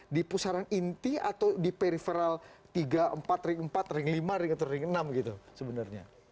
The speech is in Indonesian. di pusaran inti atau di periferal tiga empat ring empat ring lima ring atau ring enam gitu sebenarnya